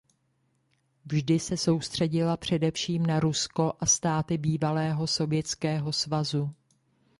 Vždy se soustředila především na Rusko a státy bývalého Sovětského svazu.